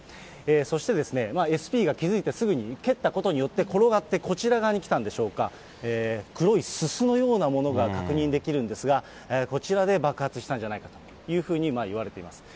そしてＳＰが気付いて、すぐに蹴ったことによって転がって、こちら側に来たんでしょうか、黒いすすのようなものが確認できるんですが、こちらで爆発したんじゃないかというふうにいわれています。